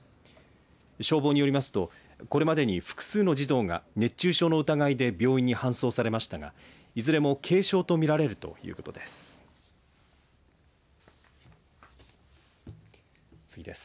消防によりますとこれまでに複数の児童が熱中症の疑いで病院に搬送されましたがいずれも軽症とみられるということです。